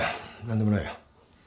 何でもないよ。